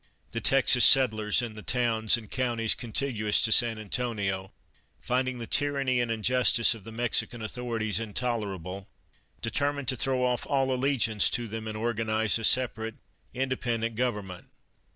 The Texas settlers in the towns and counties contiguous to San Antonio, finding the tyranny and injustice of the Mexican authorities intolerable, determine to throw off all allegiance to them and organize a separate, independent government.